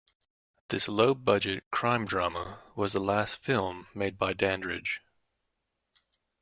This low budget crime drama was the last film made by Dandridge.